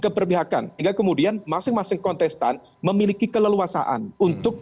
keberpihakan hingga kemudian masing masing kontestan memiliki keleluasaan untuk